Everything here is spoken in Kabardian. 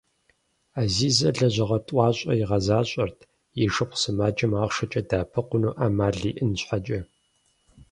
Ӏэзизэ лэжьыгъэ тӀуащӀэ игъэзащӀэрт и шыпхъу сымаджэм ахъшэкӀэ дэӀэпыкъуну Ӏэмал иӀэн щхьэкӀэ.